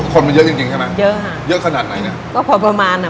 คนมันเยอะจริงจริงใช่ไหมเยอะค่ะเยอะขนาดไหนเนี้ยก็พอประมาณอ่ะ